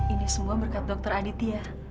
ini semua berkat dokter aditya